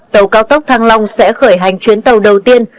tàu cao tốc thăng long sẽ khởi hành chuyến tàu đầu tiên